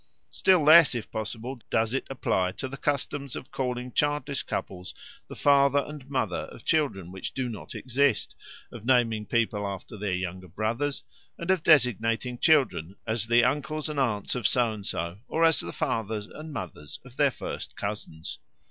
Still less, if possible, does it apply to the customs of calling childless couples the father and mother of children which do not exist, of naming people after their younger brothers, and of designating children as the uncles and aunts of So and so, or as the fathers and mothers of their first cousins.